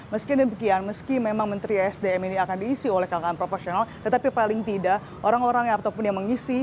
meski demikian meski memang menteri esdm ini akan diisi oleh kalangan proporsional tetapi paling tidak orang orang yang ataupun yang mengisi